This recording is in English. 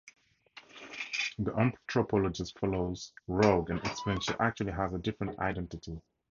The anthropologist follows Rogue and explains she actually has a different identity.